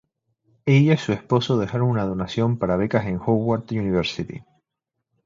Ella y su esposo dejaron una donación para becas en "Howard University.